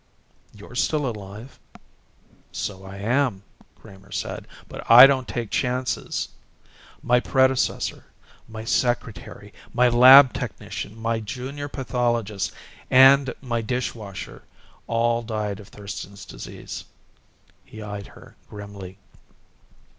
"You're still alive." "So I am," Kramer said, "but I don't take chances. My predecessor, my secretary, my lab technician, my junior pathologist, and my dishwasher all died of Thurston's Disease." He eyed her grimly.